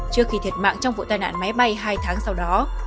trước khi thiệt mạng trong vụ tai nạn máy bay hai tháng sau đó